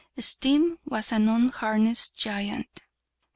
Steam was an unharnessed giant.